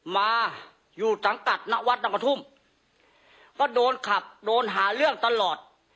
มาอยู่สังกัดณวัดนำมาทุ่มก็โดนขับโดนหาเรื่องตลอด